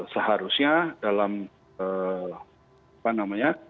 seharusnya dalam apa namanya